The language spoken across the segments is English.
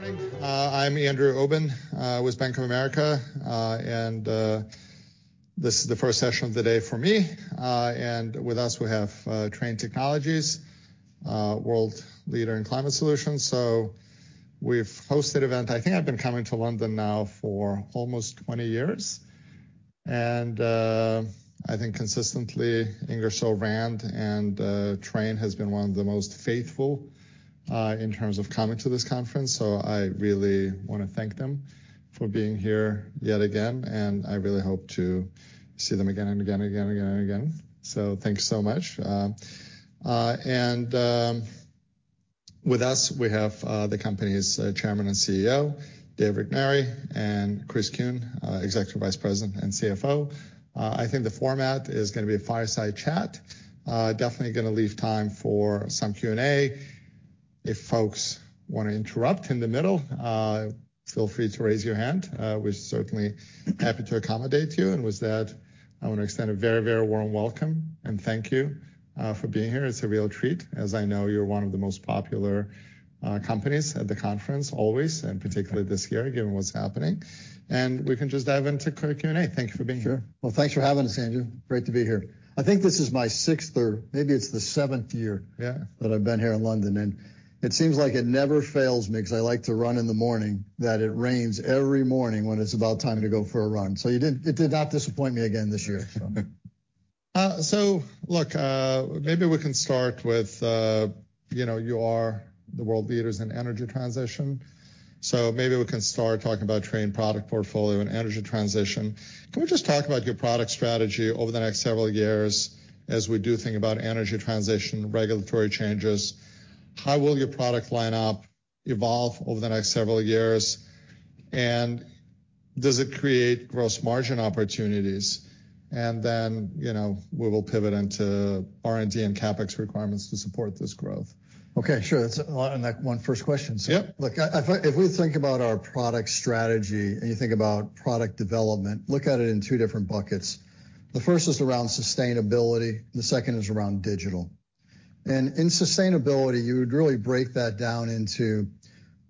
Morning. I'm Andrew Obin with Bank of America, and this is the first session of the day for me. With us, we have Trane Technologies, a world leader in climate solutions. We've hosted events. I think I've been coming to London now for almost 20 years. I think consistently, Ingersoll Rand and Trane have been one of the most faithful in terms of coming to this conference. I really want to thank them for being here yet again. I really hope to see them again and again and again and again. Thanks so much. With us, we have the company's Chairman and CEO, Dave Regnery, and Chris Kuehn, Executive Vice President and CFO. I think the format is going to be a fireside chat. Definitely going to leave time for some Q&A. If folks want to interrupt in the middle, feel free to raise your hand. We're certainly happy to accommodate you. With that, I want to extend a very, very warm welcome and thank you for being here. It's a real treat. I know you're one of the most popular companies at the conference, always, and particularly this year, given what's happening. We can just dive into quick Q&A. Thank you for being here. Sure. Thanks for having us, Andrew. Great to be here. I think this is my sixth or maybe it's the seventh year that I've been here in London. It seems like it never fails me because I like to run in the morning that it rains every morning when it's about time to go for a run. It did not disappoint me again this year. Look, maybe we can start with you are the world leaders in energy transition. Maybe we can start talking about Trane product portfolio and energy transition. Can we just talk about your product strategy over the next several years as we do think about energy transition, regulatory changes? How will your product lineup evolve over the next several years? Does it create gross margin opportunities? We will pivot into R&D and CapEx requirements to support this growth. OK, sure. That's one first question. Look, if we think about our product strategy and you think about product development, look at it in two different buckets. The first is around sustainability. The second is around digital. In sustainability, you would really break that down into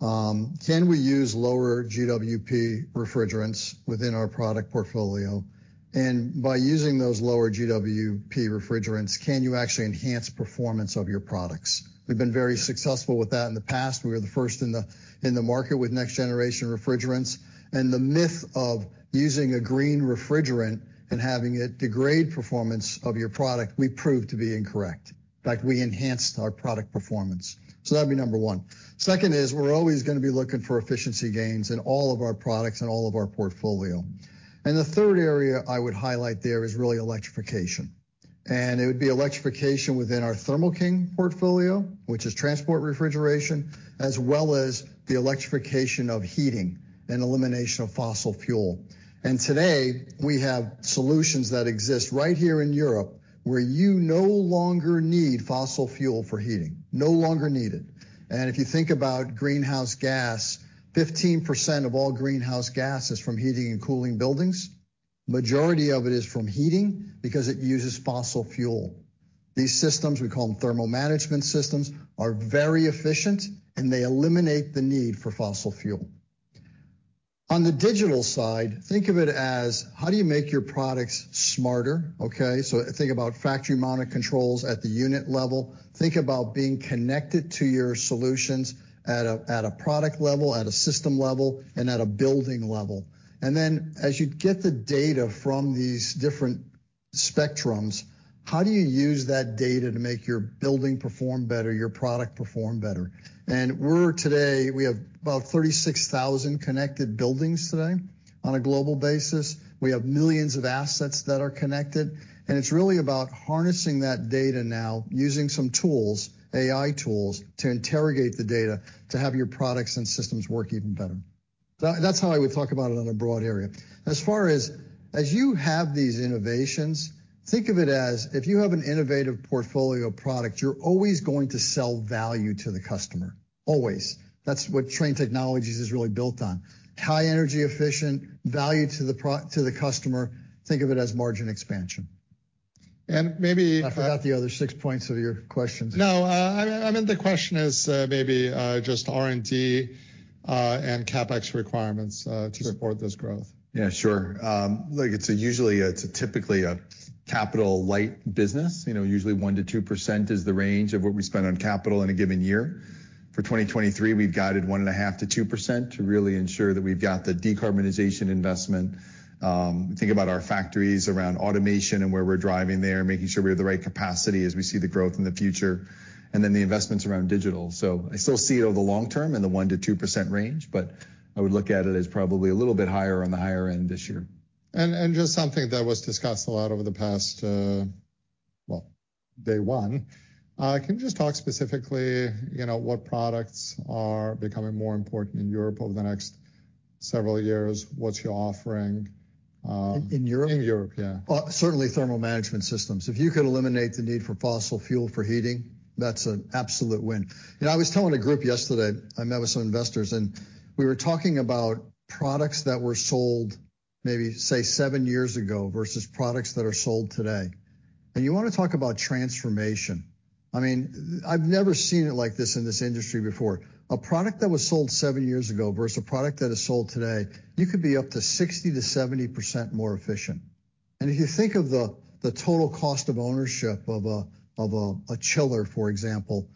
can we use lower GWP refrigerants within our product portfolio? By using those lower GWP refrigerants, can you actually enhance performance of your products? We've been very successful with that in the past. We were the first in the market with next-generation refrigerants. The myth of using a green refrigerant and having it degrade performance of your product, we proved to be incorrect. In fact, we enhanced our product performance. That'd be number one. Second is we're always going to be looking for efficiency gains in all of our products and all of our portfolio. The third area I would highlight there is really electrification. It would be electrification within our Thermo King portfolio, which is transport refrigeration, as well as the electrification of heating and elimination of fossil fuel. Today, we have solutions that exist right here in Europe where you no longer need fossil fuel for heating, no longer needed. If you think about greenhouse gas, 15% of all greenhouse gas is from heating and cooling buildings. The majority of it is from heating because it uses fossil fuel. These systems, we call them thermal management systems, are very efficient, and they eliminate the need for fossil fuel. On the digital side, think of it as how do you make your products smarter? OK, so think about factory monitor controls at the unit level. Think about being connected to your solutions at a product level, at a system level, and at a building level. As you get the data from these different spectrums, how do you use that data to make your building perform better, your product perform better? Today, we have about 36,000 connected buildings today on a global basis. We have millions of assets that are connected. It is really about harnessing that data now using some tools, AI tools, to interrogate the data to have your products and systems work even better. That is how I would talk about it on a broad area. As far as you have these innovations, think of it as if you have an innovative portfolio of products, you are always going to sell value to the customer, always. That is what Trane Technologies is really built on: high energy efficient, value to the customer. Think of it as margin expansion. And maybe. I forgot the other six points of your questions. No, I meant the question is maybe just R&D and CapEx requirements to support this growth. Yeah, sure. Look, it's usually typically a capital light business. Usually, 1%-2% is the range of what we spend on capital in a given year. For 2023, we've guided 1.5%-2% to really ensure that we've got the decarbonization investment. Think about our factories around automation and where we're driving there, making sure we have the right capacity as we see the growth in the future. The investments around digital. I still see it over the long term in the 1%-2% range, but I would look at it as probably a little bit higher on the higher end this year. Just something that was discussed a lot over the past, day one, can you just talk specifically what products are becoming more important in Europe over the next several years? What's your offering? In Europe? In Europe, yeah. Certainly, thermal management systems. If you could eliminate the need for fossil fuel for heating, that's an absolute win. I was telling a group yesterday, I met with some investors, and we were talking about products that were sold maybe, say, seven years ago versus products that are sold today. You want to talk about transformation. I mean, I've never seen it like this in this industry before. A product that was sold seven years ago versus a product that is sold today, you could be up to 60%-70% more efficient. If you think of the total cost of ownership of a chiller, for example,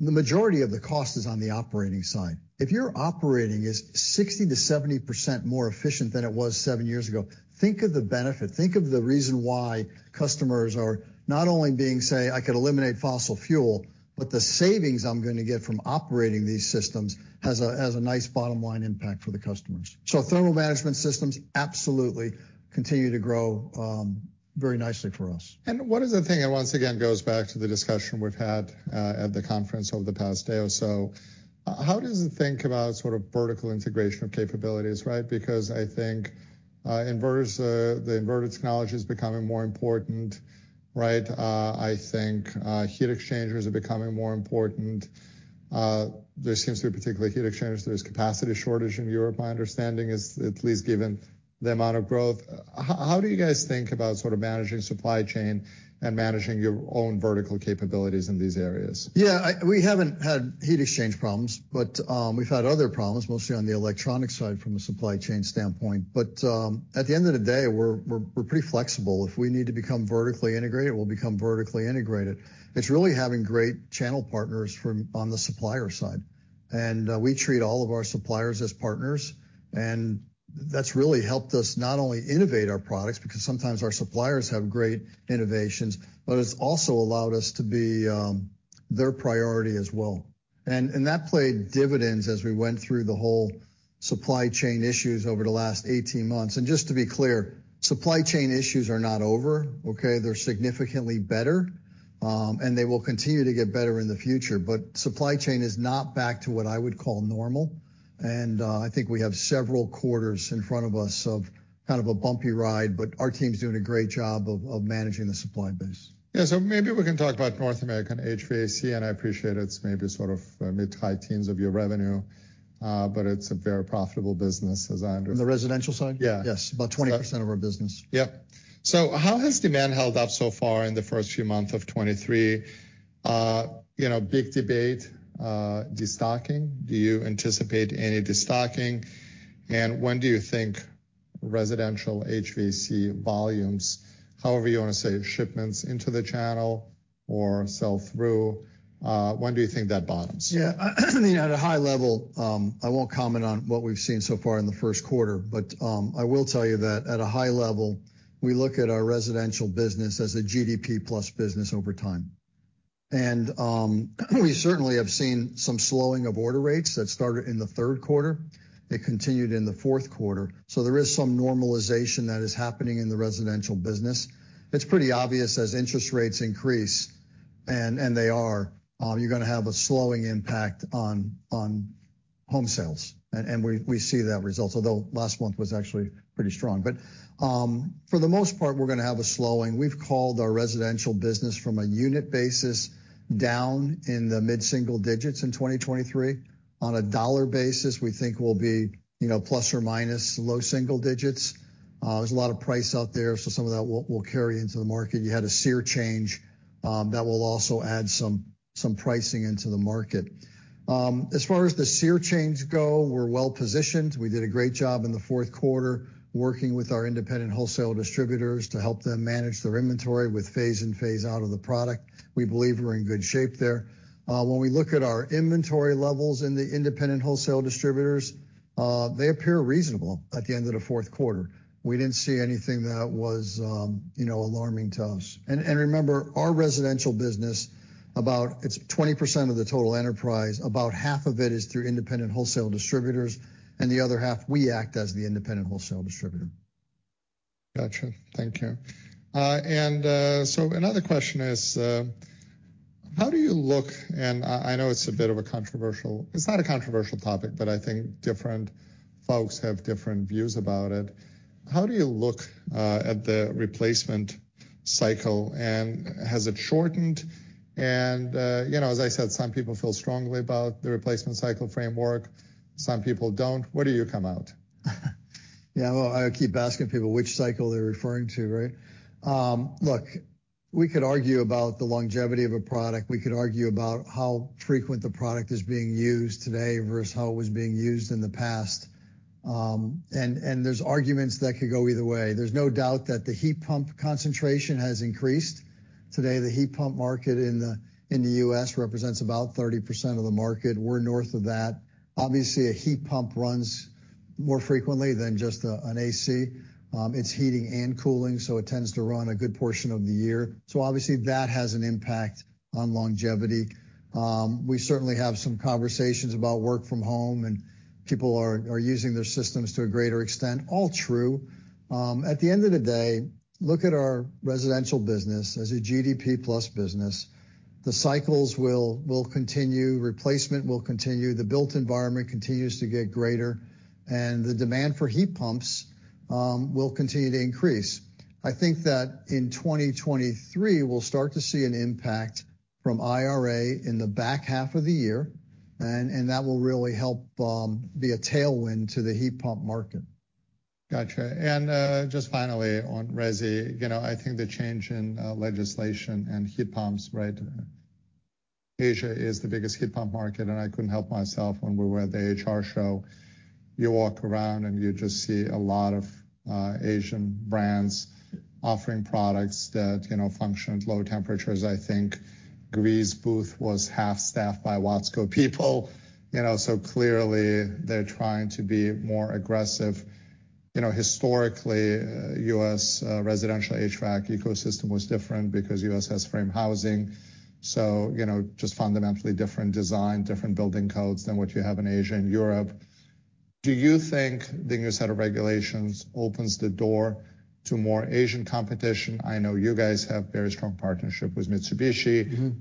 the majority of the cost is on the operating side. If your operating is 60%-70% more efficient than it was seven years ago, think of the benefit. Think of the reason why customers are not only being, say, I could eliminate fossil fuel, but the savings I'm going to get from operating these systems has a nice bottom line impact for the customers. Thermal management systems absolutely continue to grow very nicely for us. What is the thing that once again goes back to the discussion we've had at the conference over the past day or so? How does it think about sort of vertical integration of capabilities, right? Because I think the inverter technology is becoming more important, right? I think heat exchangers are becoming more important. There seems to be, particularly heat exchangers, there's capacity shortage in Europe, my understanding, at least given the amount of growth. How do you guys think about sort of managing supply chain and managing your own vertical capabilities in these areas? Yeah, we haven't had heat exchange problems, but we've had other problems, mostly on the electronic side from a supply chain standpoint. At the end of the day, we're pretty flexible. If we need to become vertically integrated, we'll become vertically integrated. It's really having great channel partners on the supplier side. We treat all of our suppliers as partners. That's really helped us not only innovate our products, because sometimes our suppliers have great innovations, but it's also allowed us to be their priority as well. That played dividends as we went through the whole supply chain issues over the last 18 months. Just to be clear, supply chain issues are not over, OK? They're significantly better, and they will continue to get better in the future. Supply chain is not back to what I would call normal. I think we have several quarters in front of us of kind of a bumpy ride, but our team's doing a great job of managing the supply base. Yeah, so maybe we can talk about North American HVAC, and I appreciate it's maybe sort of mid to high teens of your revenue, but it's a very profitable business, as I understand. On the residential side? Yeah. Yes, about 20% of our business. Yeah. How has demand held up so far in the first few months of 2023? Big debate, destocking. Do you anticipate any destocking? When do you think residential HVAC volumes, however you want to say, shipments into the channel or sell through, when do you think that bottoms? Yeah, at a high level, I won't comment on what we've seen so far in the first quarter, but I will tell you that at a high level, we look at our residential business as a GDP plus business over time. We certainly have seen some slowing of order rates that started in the third quarter. They continued in the fourth quarter. There is some normalization that is happening in the residential business. It's pretty obvious as interest rates increase, and they are, you're going to have a slowing impact on home sales. We see that result, although last month was actually pretty strong. For the most part, we're going to have a slowing. We've called our residential business from a unit basis down in the mid-single digits in 2023. On a dollar basis, we think we'll be plus or minus low single digits. There's a lot of price out there, so some of that will carry into the market. You had a SEER change that will also add some pricing into the market. As far as the SEER change goes, we're well positioned. We did a great job in the fourth quarter working with our independent wholesale distributors to help them manage their inventory with phase in, phase out of the product. We believe we're in good shape there. When we look at our inventory levels in the independent wholesale distributors, they appear reasonable at the end of the fourth quarter. We did not see anything that was alarming to us. Remember, our residential business, about 20% of the total enterprise, about half of it is through independent wholesale distributors, and the other half we act as the independent wholesale distributor. Gotcha. Thank you. Another question is, how do you look? I know it's a bit of a controversial, it's not a controversial topic, but I think different folks have different views about it. How do you look at the replacement cycle, and has it shortened? As I said, some people feel strongly about the replacement cycle framework. Some people do not. Where do you come out? Yeah, I keep asking people which cycle they're referring to, right? Look, we could argue about the longevity of a product. We could argue about how frequent the product is being used today versus how it was being used in the past. And there's arguments that could go either way. There's no doubt that the heat pump concentration has increased. Today, the heat pump market in the U.S. represents about 30% of the market. We're north of that. Obviously, a heat pump runs more frequently than just an AC. It's heating and cooling, so it tends to run a good portion of the year. Obviously, that has an impact on longevity. We certainly have some conversations about work from home, and people are using their systems to a greater extent. All true. At the end of the day, look at our residential business as a GDP plus business. The cycles will continue. Replacement will continue. The built environment continues to get greater. The demand for heat pumps will continue to increase. I think that in 2023, we'll start to see an impact from IRA in the back half of the year. That will really help be a tailwind to the heat pump market. Gotcha. And just finally on resi, I think the change in legislation and heat pumps, right? Asia is the biggest heat pump market, and I could not help myself when we were at the HR show. You walk around and you just see a lot of Asian brands offering products that function at low temperatures. I think Gree's booth was half staffed by Watsco people. So clearly, they are trying to be more aggressive. Historically, U.S. residential HVAC ecosystem was different because U.S. has frame housing. So just fundamentally different design, different building codes than what you have in Asia and Europe. Do you think the new set of regulations opens the door to more Asian competition? I know you guys have a very strong partnership with Mitsubishi.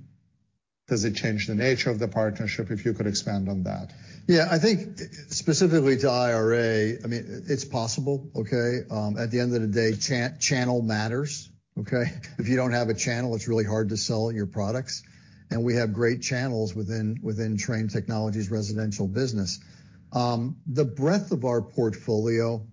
Does it change the nature of the partnership? If you could expand on that. Yeah, I think specifically to IRA, I mean, it's possible, OK? At the end of the day, channel matters, OK? If you don't have a channel, it's really hard to sell your products. And we have great channels within Trane Technologies' residential business. The breadth of our portfolio,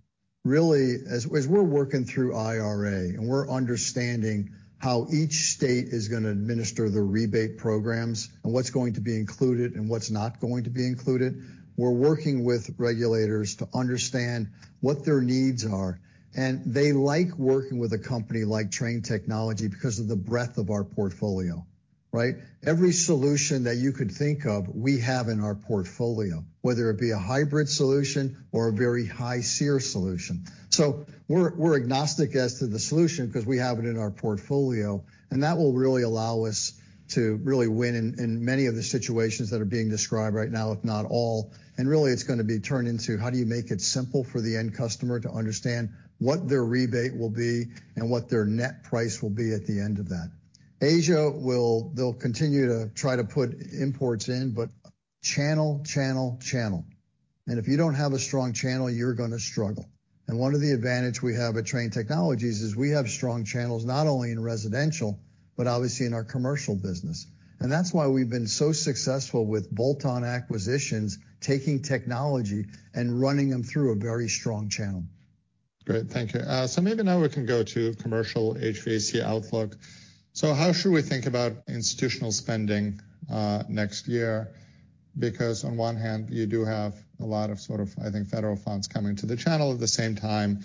really, as we're working through IRA and we're understanding how each state is going to administer the rebate programs and what's going to be included and what's not going to be included, we're working with regulators to understand what their needs are. And they like working with a company like Trane Technologies because of the breadth of our portfolio, right? Every solution that you could think of, we have in our portfolio, whether it be a hybrid solution or a very high SEER solution. So we're agnostic as to the solution because we have it in our portfolio. That will really allow us to really win in many of the situations that are being described right now, if not all. Really, it's going to be turned into how do you make it simple for the end customer to understand what their rebate will be and what their net price will be at the end of that. Asia will continue to try to put imports in, but channel, channel, channel. If you do not have a strong channel, you're going to struggle. One of the advantages we have at Trane Technologies is we have strong channels not only in residential, but obviously in our commercial business. That is why we have been so successful with bolt-on acquisitions, taking technology and running them through a very strong channel. Great. Thank you. Maybe now we can go to commercial HVAC outlook. How should we think about institutional spending next year? Because on one hand, you do have a lot of sort of, I think, federal funds coming to the channel. At the same time,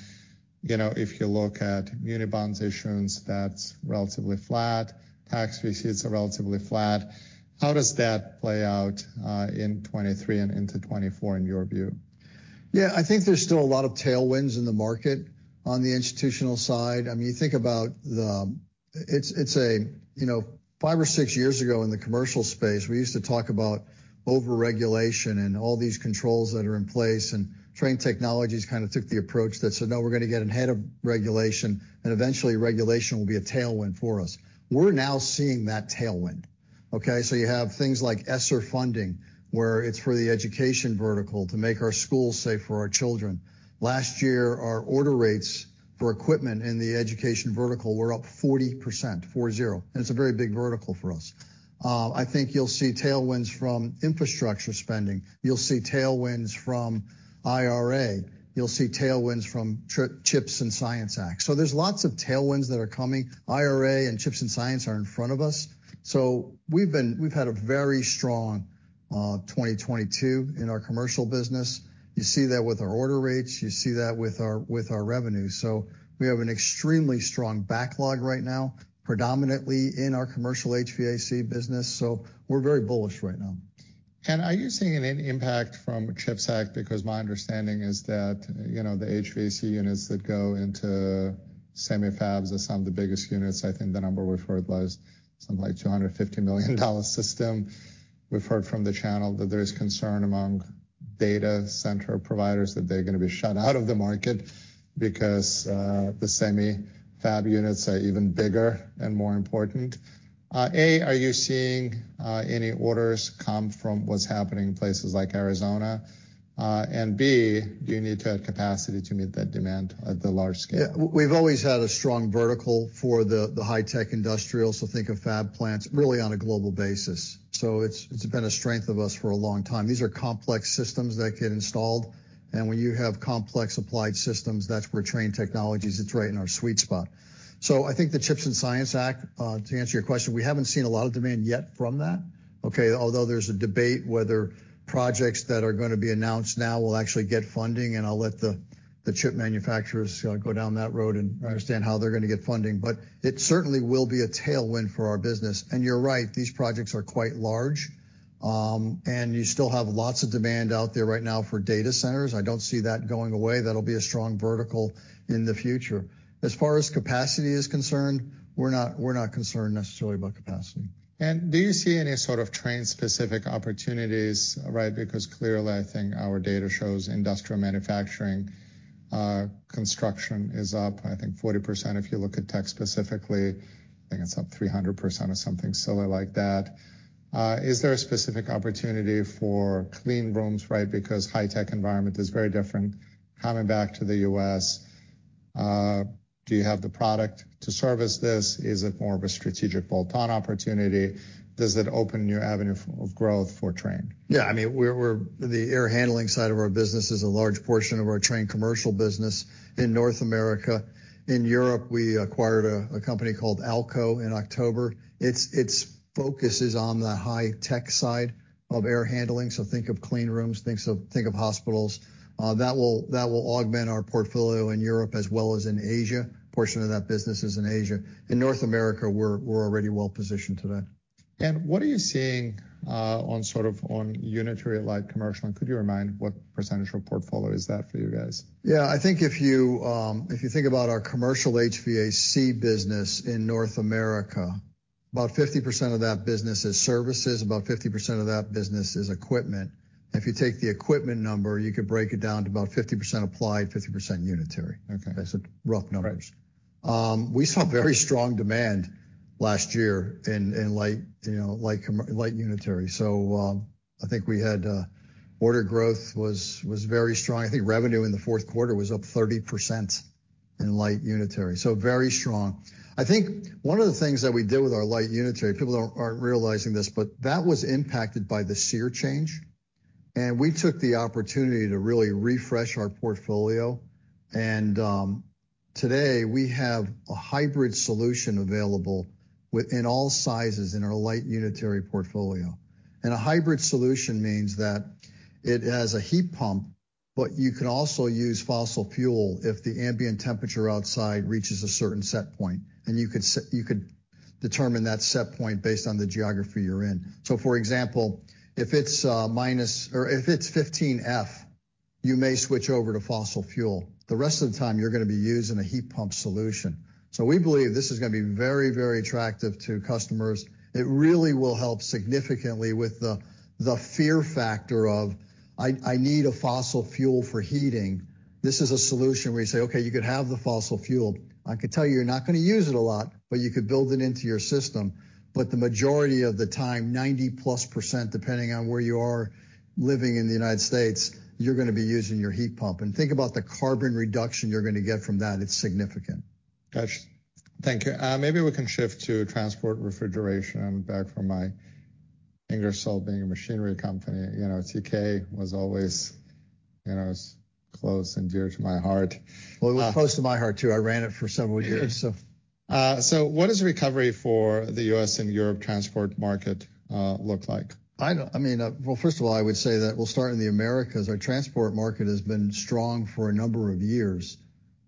if you look at unit bonds issuance, that is relatively flat. Tax receipts are relatively flat. How does that play out in 2023 and into 2024 in your view? Yeah, I think there's still a lot of tailwinds in the market on the institutional side. I mean, you think about the, it's a, five or six years ago in the commercial space, we used to talk about overregulation and all these controls that are in place. Trane Technologies kind of took the approach that said, no, we're going to get ahead of regulation, and eventually regulation will be a tailwind for us. We're now seeing that tailwind, OK? You have things like ESSER funding, where it's for the education vertical to make our schools safe for our children. Last year, our order rates for equipment in the education vertical were up 40%. Four-zero. It's a very big vertical for us. I think you'll see tailwinds from infrastructure spending. You'll see tailwinds from IRA. You'll see tailwinds from CHIPS and Science Act. There are lots of tailwinds that are coming. IRA and CHIPS and Science are in front of us. We had a very strong 2022 in our commercial business. You see that with our order rates. You see that with our revenue. We have an extremely strong backlog right now, predominantly in our commercial HVAC business. We are very bullish right now. Are you seeing an impact from the CHIPS Act? Because my understanding is that the HVAC units that go into semi-fabs are some of the biggest units. I think the number we've heard was something like a $250 million system. We've heard from the channel that there's concern among data center providers that they're going to be shut out of the market because the semi-fab units are even bigger and more important. A, are you seeing any orders come from what's happening in places like Arizona? B, do you need to add capacity to meet that demand at the large scale? Yeah, we've always had a strong vertical for the high-tech industrial. Think of fab plants really on a global basis. It has been a strength of ours for a long time. These are complex systems that get installed. When you have complex applied systems, that's where Trane Technologies is right in our sweet spot. I think the CHIPS and Science Act, to answer your question, we haven't seen a lot of demand yet from that, OK? Although there's a debate whether projects that are going to be announced now will actually get funding. I'll let the chip manufacturers go down that road and understand how they're going to get funding. It certainly will be a tailwind for our business. You're right, these projects are quite large. You still have lots of demand out there right now for data centers. I don't see that going away. That'll be a strong vertical in the future. As far as capacity is concerned, we're not concerned necessarily about capacity. Do you see any sort of Trane-specific opportunities, right? Because clearly, I think our data shows industrial manufacturing construction is up, I think, 40%. If you look at tech specifically, I think it's up 300% or something similar like that. Is there a specific opportunity for clean rooms, right? Because high-tech environment is very different. Coming back to the U.S., do you have the product to service this? Is it more of a strategic bolt-on opportunity? Does it open a new avenue of growth for Trane? Yeah, I mean, the air handling side of our business is a large portion of our Trane commercial business in North America. In Europe, we acquired a company called Alco in October. Its focus is on the high-tech side of air handling. Think of clean rooms. Think of hospitals. That will augment our portfolio in Europe as well as in Asia. A portion of that business is in Asia. In North America, we're already well positioned today. What are you seeing on sort of unitary light commercial? Could you remind what percentage of portfolio is that for you guys? Yeah, I think if you think about our commercial HVAC business in North America, about 50% of that business is services. About 50% of that business is equipment. If you take the equipment number, you could break it down to about 50% applied, 50% unitary. That's rough numbers. We saw very strong demand last year in light unitary. I think we had order growth was very strong. I think revenue in the fourth quarter was up 30% in light unitary. Very strong. I think one of the things that we did with our light unitary, people aren't realizing this, but that was impacted by the SEER change. We took the opportunity to really refresh our portfolio. Today, we have a hybrid solution available in all sizes in our light unitary portfolio. A hybrid solution means that it has a heat pump, but you can also use fossil fuel if the ambient temperature outside reaches a certain set point. You could determine that set point based on the geography you are in. For example, if it is minus or if it is 15 degrees Fahrenheit, you may switch over to fossil fuel. The rest of the time, you are going to be using a heat pump solution. We believe this is going to be very, very attractive to customers. It really will help significantly with the fear factor of, I need a fossil fuel for heating. This is a solution where you say, OK, you could have the fossil fuel. I can tell you you are not going to use it a lot, but you could build it into your system. The majority of the time, 90%+, depending on where you are living in the United States, you're going to be using your heat pump. And think about the carbon reduction you're going to get from that. It's significant. Gotcha. Thank you. Maybe we can shift to transport refrigeration. I'm back from my Ingersoll being a machinery company. TK was always close and dear to my heart. It was close to my heart too. I ran it for several years. What does recovery for the U.S. and Europe transport market look like? I mean, first of all, I would say that we'll start in the Americas. Our transport market has been strong for a number of years.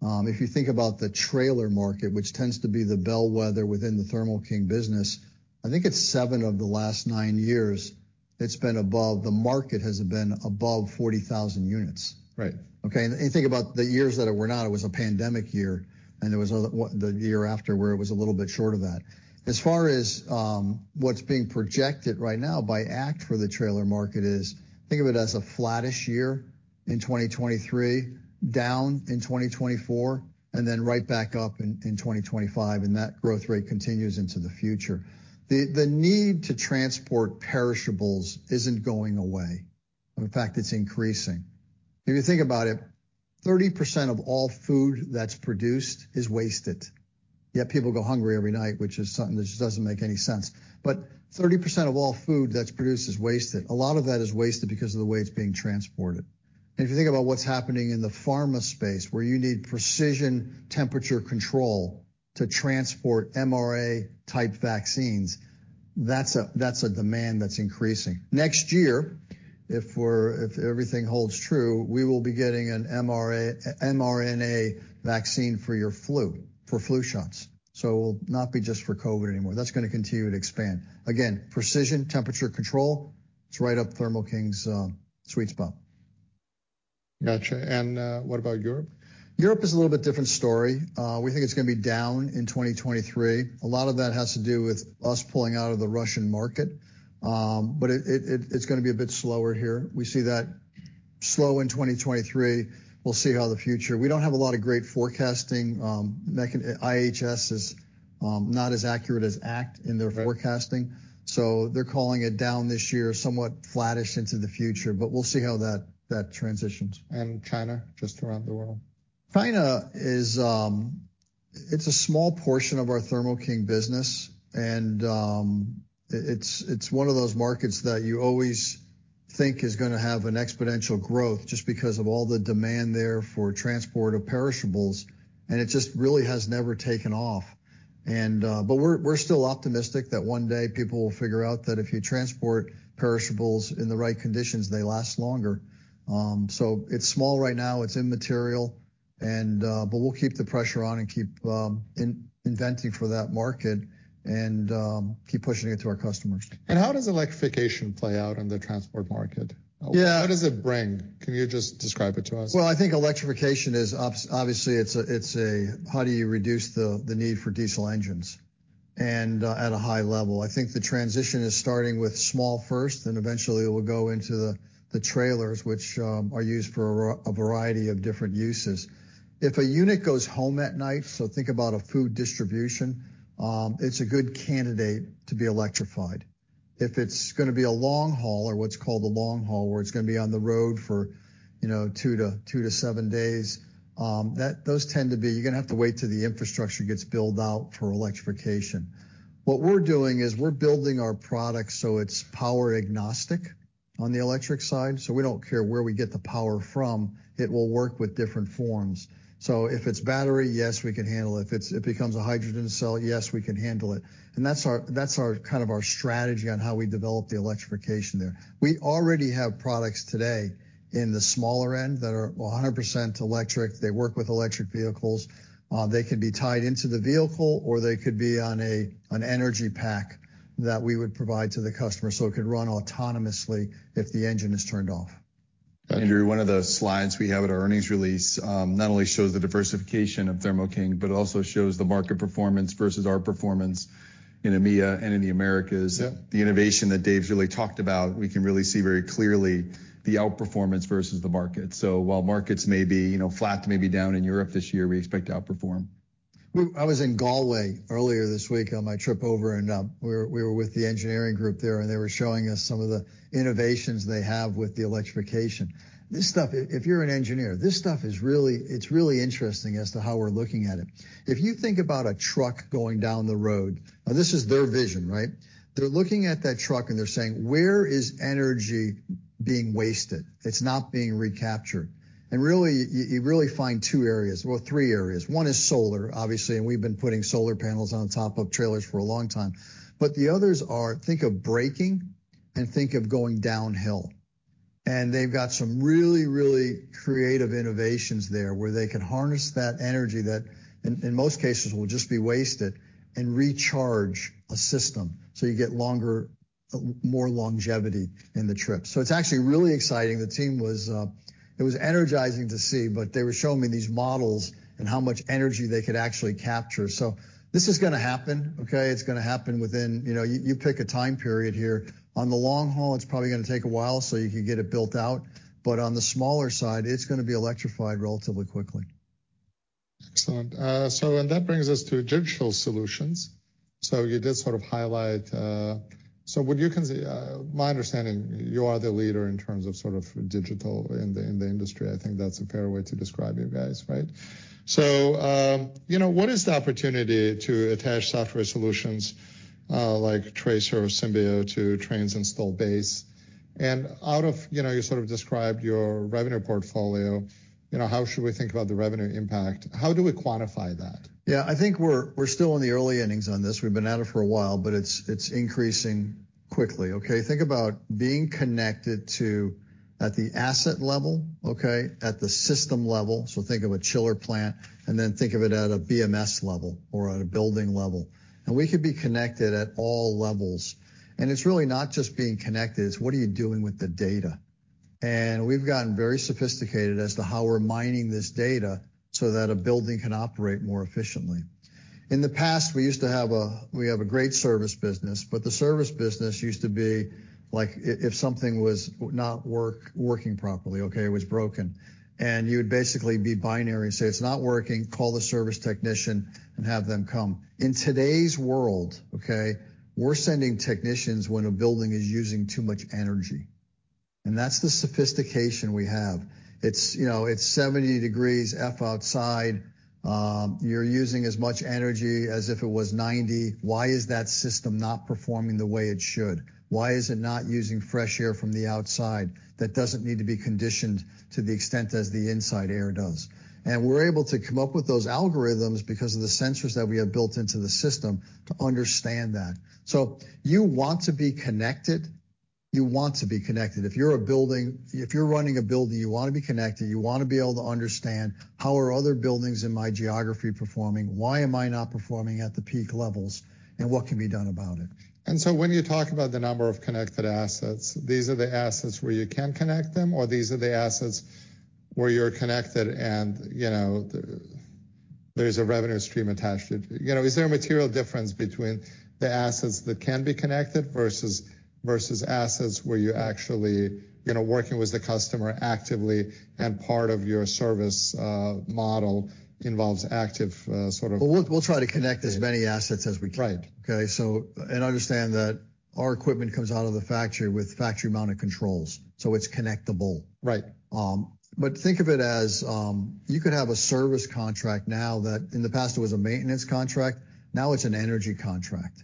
If you think about the trailer market, which tends to be the bellwether within the Thermo King business, I think it's seven of the last nine years it's been above, the market has been above 40,000 units. Right. OK, and you think about the years that it were not, it was a pandemic year. There was the year after where it was a little bit short of that. As far as what's being projected right now by ACT for the trailer market is, think of it as a flattish year in 2023, down in 2024, and then right back up in 2025. That growth rate continues into the future. The need to transport perishables isn't going away. In fact, it's increasing. If you think about it, 30% of all food that's produced is wasted. Yet people go hungry every night, which is something that just doesn't make any sense. 30% of all food that's produced is wasted. A lot of that is wasted because of the way it's being transported. If you think about what's happening in the pharma space, where you need precision temperature control to transport mRNA-type vaccines, that's a demand that's increasing. Next year, if everything holds true, we will be getting an mRNA vaccine for your flu, for flu shots. It will not be just for COVID anymore. That's going to continue to expand. Again, precision temperature control, it's right up Thermo King's sweet spot. Gotcha. What about Europe? Europe is a little bit different story. We think it's going to be down in 2023. A lot of that has to do with us pulling out of the Russian market. It is going to be a bit slower here. We see that slow in 2023. We'll see how the future. We don't have a lot of great forecasting. IHS is not as accurate as ACT in their forecasting. They are calling it down this year, somewhat flattish into the future. We'll see how that transitions. China, just around the world? China is, it's a small portion of our Thermo King business. It's one of those markets that you always think is going to have exponential growth just because of all the demand there for transport of perishables. It just really has never taken off. We're still optimistic that one day people will figure out that if you transport perishables in the right conditions, they last longer. It's small right now. It's immaterial. We'll keep the pressure on and keep inventing for that market and keep pushing it to our customers. How does electrification play out in the transport market? What does it bring? Can you just describe it to us? I think electrification is, obviously, it's a, how do you reduce the need for diesel engines? At a high level, I think the transition is starting with small first, and eventually it will go into the trailers, which are used for a variety of different uses. If a unit goes home at night, so think about a food distribution, it's a good candidate to be electrified. If it's going to be a long haul or what's called a long haul, where it's going to be on the road for two to seven days, those tend to be, you're going to have to wait till the infrastructure gets built out for electrification. What we're doing is we're building our product so it's power agnostic on the electric side. We don't care where we get the power from. It will work with different forms. If it's battery, yes, we can handle it. If it becomes a hydrogen cell, yes, we can handle it. That's kind of our strategy on how we develop the electrification there. We already have products today in the smaller end that are 100% electric. They work with electric vehicles. They can be tied into the vehicle, or they could be on an energy pack that we would provide to the customer. It could run autonomously if the engine is turned off. Andrew, one of the slides we have at our earnings release not only shows the diversification of Thermo King, but also shows the market performance versus our performance in EMEA and in the Americas. The innovation that Dave's really talked about, we can really see very clearly the outperformance versus the market. While markets may be flat, maybe down in Europe this year, we expect to outperform. I was in Galway earlier this week on my trip over. We were with the engineering group there. They were showing us some of the innovations they have with the electrification. This stuff, if you're an engineer, this stuff is really, it's really interesting as to how we're looking at it. If you think about a truck going down the road, now this is their vision, right? They're looking at that truck and they're saying, where is energy being wasted? It's not being recaptured. You really find two areas, well, three areas. One is solar, obviously. We've been putting solar panels on top of trailers for a long time. The others are, think of braking and think of going downhill. They have got some really, really creative innovations there where they can harness that energy that, in most cases, will just be wasted and recharge a system. You get longer, more longevity in the trip. It is actually really exciting. The team was, it was energizing to see. They were showing me these models and how much energy they could actually capture. This is going to happen, OK? It is going to happen within, you pick a time period here. On the long haul, it is probably going to take a while so you can get it built out. On the smaller side, it is going to be electrified relatively quickly. Excellent. That brings us to digital solutions. You did sort of highlight, so my understanding, you are the leader in terms of sort of digital in the industry. I think that's a fair way to describe you guys, right? What is the opportunity to attach software solutions like Tracer or Symbio to Trane's installed base? Out of you sort of described your revenue portfolio, how should we think about the revenue impact? How do we quantify that? Yeah, I think we're still in the early innings on this. We've been at it for a while, but it's increasing quickly. Think about being connected to, at the asset level, at the system level. Think of a chiller plant. Think of it at a BMS level or at a building level. We could be connected at all levels. It's really not just being connected. It's what are you doing with the data? We've gotten very sophisticated as to how we're mining this data so that a building can operate more efficiently. In the past, we used to have a, we have a great service business. The service business used to be like if something was not working properly, it was broken. You would basically be binary and say, it's not working, call the service technician and have them come. In today's world, we're sending technicians when a building is using too much energy. That's the sophistication we have. It's 70 degrees Fahrenheit outside. You're using as much energy as if it was 90. Why is that system not performing the way it should? Why is it not using fresh air from the outside that doesn't need to be conditioned to the extent as the inside air does? We're able to come up with those algorithms because of the sensors that we have built into the system to understand that. You want to be connected. You want to be connected. If you're a building, if you're running a building, you want to be connected. You want to be able to understand how are other buildings in my geography performing? Why am I not performing at the peak levels? What can be done about it? When you talk about the number of connected assets, these are the assets where you can connect them? Or these are the assets where you're connected and there's a revenue stream attached to it? Is there a material difference between the assets that can be connected versus assets where you're actually working with the customer actively and part of your service model involves active sort of. We'll try to connect as many assets as we can. Right. Our equipment comes out of the factory with factory-mounted controls. So it's connectable. Right. Think of it as you could have a service contract now that in the past was a maintenance contract. Now it is an energy contract.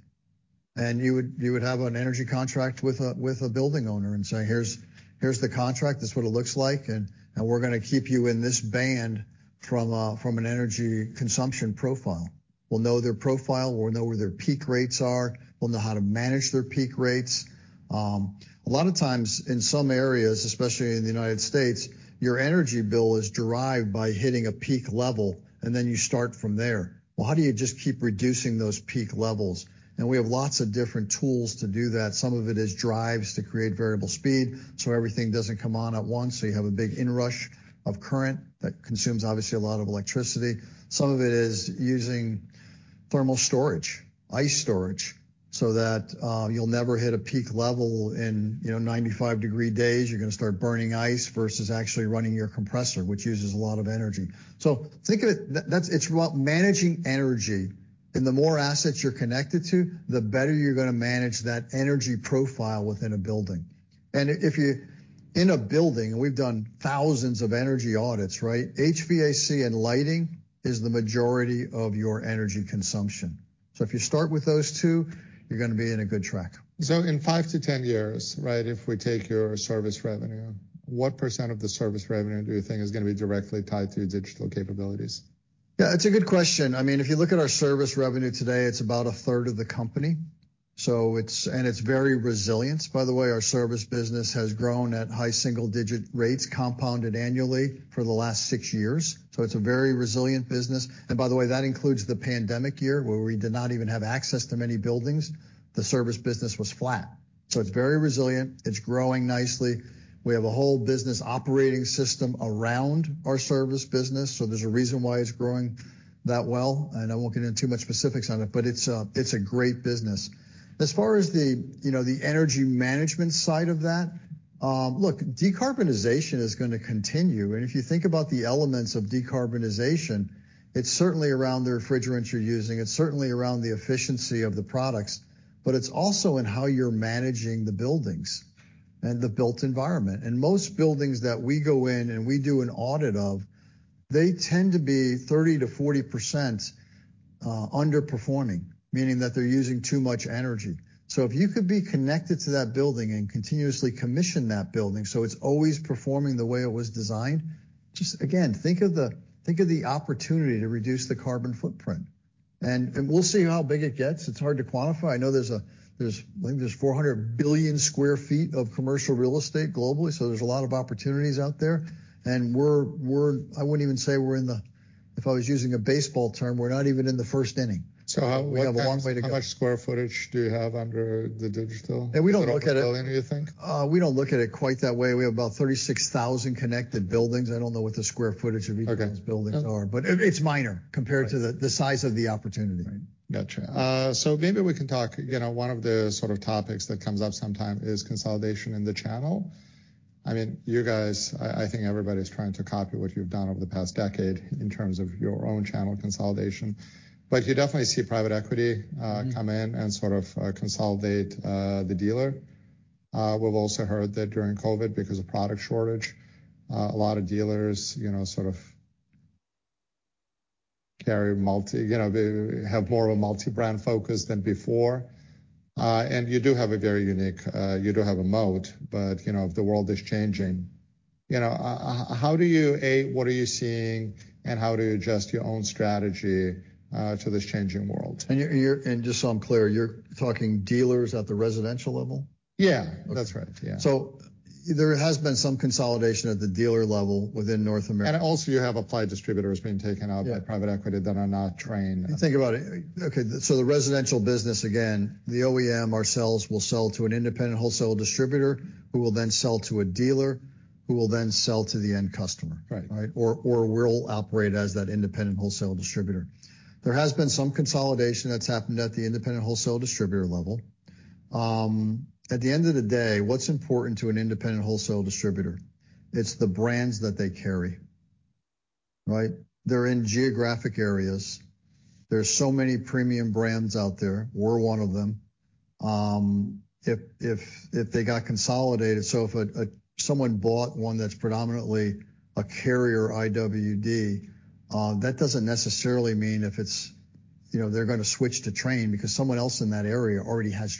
You would have an energy contract with a building owner and say, here is the contract. This is what it looks like. We are going to keep you in this band from an energy consumption profile. We will know their profile. We will know where their peak rates are. We will know how to manage their peak rates. A lot of times, in some areas, especially in the United States, your energy bill is derived by hitting a peak level, and you start from there. How do you just keep reducing those peak levels? We have lots of different tools to do that. Some of it is drives to create variable speed so everything does not come on at once. You have a big inrush of current that consumes, obviously, a lot of electricity. Some of it is using thermal storage, ice storage, so that you'll never hit a peak level in 95-degree days. You're going to start burning ice versus actually running your compressor, which uses a lot of energy. Think of it, it's about managing energy. The more assets you're connected to, the better you're going to manage that energy profile within a building. If you're in a building, and we've done thousands of energy audits, HVAC and lighting is the majority of your energy consumption. If you start with those two, you're going to be in a good track. In 5-10 years, if we take your service revenue, what % of the service revenue do you think is going to be directly tied to your digital capabilities? Yeah, it's a good question. I mean, if you look at our service revenue today, it's about a third of the company. And it's very resilient. By the way, our service business has grown at high single-digit rates, compounded annually for the last six years. So it's a very resilient business. And by the way, that includes the pandemic year where we did not even have access to many buildings. The service business was flat. So it's very resilient. It's growing nicely. We have a whole business operating system around our service business. So there's a reason why it's growing that well. And I won't get into too much specifics on it. But it's a great business. As far as the energy management side of that, look, decarbonization is going to continue. And if you think about the elements of decarbonization, it's certainly around the refrigerants you're using. It's certainly around the efficiency of the products. It is also in how you're managing the buildings and the built environment. Most buildings that we go in and we do an audit of, they tend to be 30%-40% underperforming, meaning that they're using too much energy. If you could be connected to that building and continuously commission that building so it's always performing the way it was designed, just again, think of the opportunity to reduce the carbon footprint. We'll see how big it gets. It's hard to quantify. I know there's, I think there's 400 billion sq ft of commercial real estate globally. There are a lot of opportunities out there. I wouldn't even say we're in the, if I was using a baseball term, we're not even in the first inning. How long, how much square footage do you have under the digital buildings, do you think? We don't look at it quite that way. We have about 36,000 connected buildings. I don't know what the square footage of each of those buildings are. But it's minor compared to the size of the opportunity. Gotcha. Maybe we can talk, one of the sort of topics that comes up sometimes is consolidation in the channel. I mean, you guys, I think everybody's trying to copy what you've done over the past decade in terms of your own channel consolidation. You definitely see private equity come in and sort of consolidate the dealer. We've also heard that during COVID, because of product shortage, a lot of dealers sort of carry multi, have more of a multi-brand focus than before. You do have a very unique, you do have a moat. The world is changing. How do you aid, what are you seeing, and how do you adjust your own strategy to this changing world? Just so I'm clear, you're talking dealers at the residential level? Yeah, that's right. Yeah. There has been some consolidation at the dealer level within North America. You have applied distributors being taken out by private equity that are not trained. Think about it. The residential business, again, the OEM, ourselves will sell to an independent wholesale distributor who will then sell to a dealer who will then sell to the end customer. Or we'll operate as that independent wholesale distributor. There has been some consolidation that's happened at the independent wholesale distributor level. At the end of the day, what's important to an independent wholesale distributor? It's the brands that they carry. They're in geographic areas. There are so many premium brands out there. We're one of them. If they got consolidated, if someone bought one that's predominantly a Carrier IWD, that doesn't necessarily mean they're going to switch to Trane because someone else in that area already has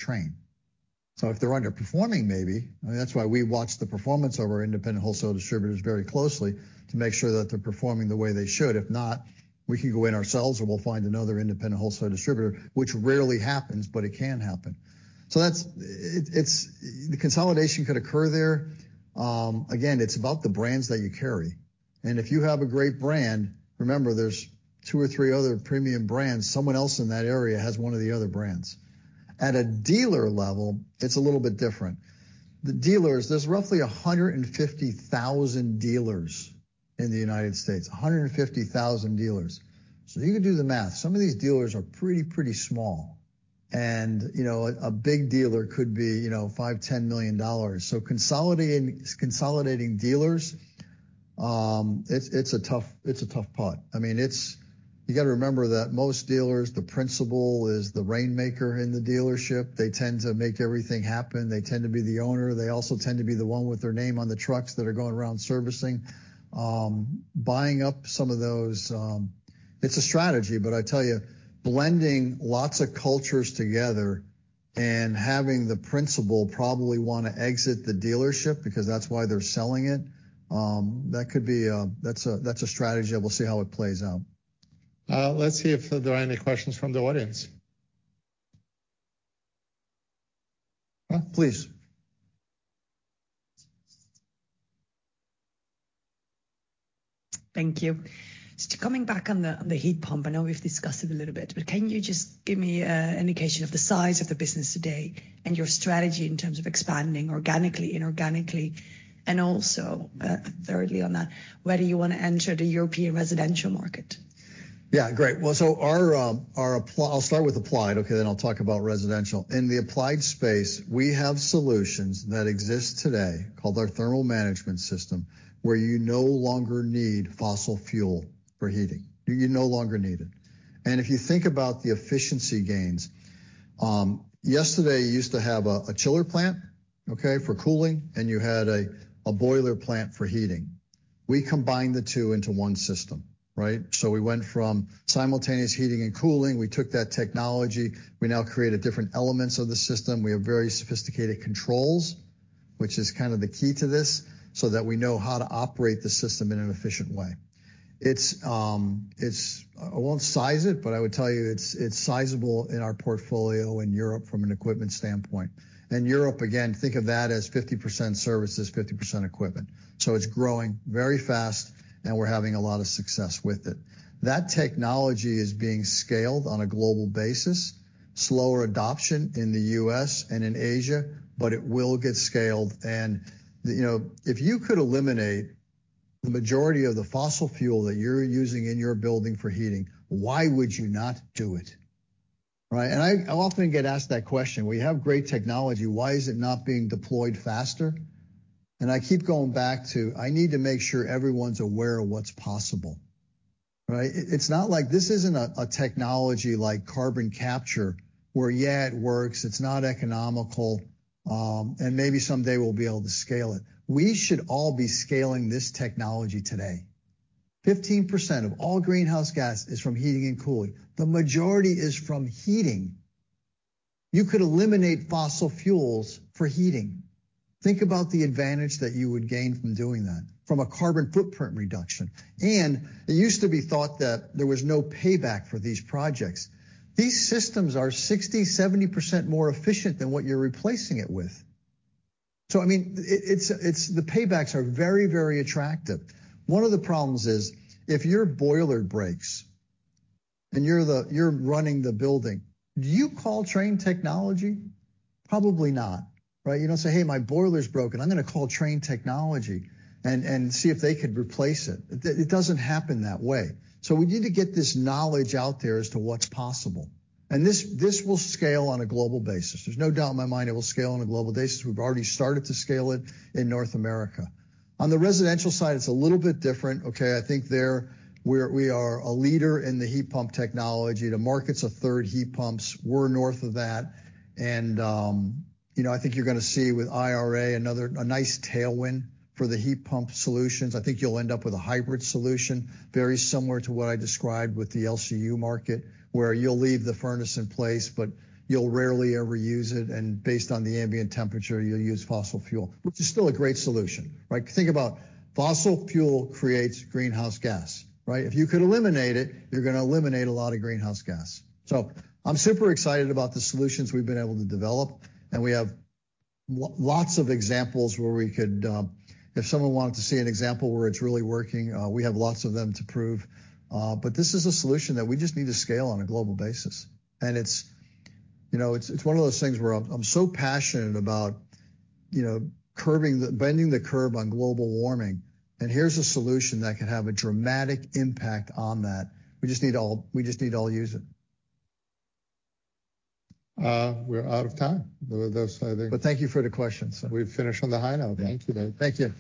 Trane. If they're underperforming, maybe. That's why we watch the performance of our independent wholesale distributors very closely to make sure that they're performing the way they should. If not, we can go in ourselves and we'll find another independent wholesale distributor, which rarely happens, but it can happen. The consolidation could occur there. Again, it's about the brands that you carry. If you have a great brand, remember there's two or three other premium brands. Someone else in that area has one of the other brands. At a dealer level, it's a little bit different. The dealers, there's roughly 150,000 dealers in the United States, 150,000 dealers. You could do the math. Some of these dealers are pretty, pretty small. A big dealer could be $5 million, $10 million. Consolidating dealers, it's a tough part. I mean, you got to remember that most dealers, the principal is the rainmaker in the dealership. They tend to make everything happen. They tend to be the owner. They also tend to be the one with their name on the trucks that are going around servicing. Buying up some of those, it's a strategy. I tell you, blending lots of cultures together and having the principal probably want to exit the dealership because that's why they're selling it, that could be a, that's a strategy. We'll see how it plays out. Let's see if there are any questions from the audience. Please. Thank you. Coming back on the heat pump, I know we've discussed it a little bit. Can you just give me an indication of the size of the business today and your strategy in terms of expanding organically, inorganically? Also, thirdly on that, where do you want to enter the European residential market? Yeah, great. I'll start with applied. Then I'll talk about residential. In the applied space, we have solutions that exist today called our thermal management system where you no longer need fossil fuel for heating. You no longer need it. If you think about the efficiency gains, yesterday you used to have a chiller plant for cooling and you had a boiler plant for heating. We combined the two into one system. We went from simultaneous heating and cooling. We took that technology. We now create different elements of the system. We have very sophisticated controls, which is kind of the key to this so that we know how to operate the system in an efficient way. I won't size it, but I would tell you it's sizable in our portfolio in Europe from an equipment standpoint. Europe, again, think of that as 50% services, 50% equipment. It is growing very fast and we are having a lot of success with it. That technology is being scaled on a global basis. Slower adoption in the U.S. and in Asia, but it will get scaled. If you could eliminate the majority of the fossil fuel that you are using in your building for heating, why would you not do it? I often get asked that question. We have great technology. Why is it not being deployed faster? I keep going back to I need to make sure everyone's aware of what's possible. It is not like this is a technology like carbon capture where, yeah, it works, it is not economical, and maybe someday we will be able to scale it. We should all be scaling this technology today. 15% of all greenhouse gas is from heating and cooling. The majority is from heating. You could eliminate fossil fuels for heating. Think about the advantage that you would gain from doing that, from a carbon footprint reduction. It used to be thought that there was no payback for these projects. These systems are 60%-70% more efficient than what you're replacing it with. I mean, the paybacks are very, very attractive. One of the problems is if your boiler breaks and you're running the building, do you call Trane Technologies? Probably not. You don't say, hey, my boiler's broken. I'm going to call Trane Technologies and see if they could replace it. It doesn't happen that way. We need to get this knowledge out there as to what's possible. This will scale on a global basis. There's no doubt in my mind it will scale on a global basis. We've already started to scale it in North America. On the residential side, it's a little bit different. I think there we are a leader in the heat pump technology. The market's a third heat pumps. We're north of that. I think you're going to see with IRA a nice tailwind for the heat pump solutions. I think you'll end up with a hybrid solution very similar to what I described with the LCU market where you'll leave the furnace in place, but you'll rarely ever use it. Based on the ambient temperature, you'll use fossil fuel, which is still a great solution. Think about fossil fuel creates greenhouse gas. If you could eliminate it, you're going to eliminate a lot of greenhouse gas. I'm super excited about the solutions we've been able to develop. We have lots of examples where we could, if someone wanted to see an example where it's really working, we have lots of them to prove. This is a solution that we just need to scale on a global basis. It is one of those things where I'm so passionate about bending the curve on global warming. Here is a solution that can have a dramatic impact on that. We just need all use it. We're out of time. Thank you for the questions. We've finished on the high now. Thank you.